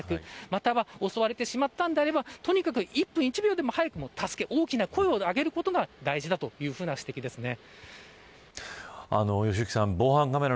または襲われてしまったのであれば１分１秒でも早く大きな声を上げることが大事だという指摘ですね。